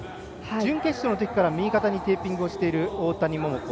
準決勝のときから右肩にテーピングしている大谷桃子